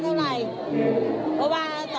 ลูกจ่ายเป้าอยู่